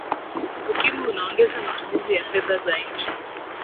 ukimwi unaongeza matumizi ya fedha za nchi